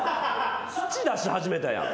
土出し始めたやん。